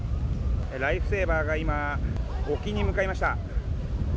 ライフセーバーが今、沖に向かいました。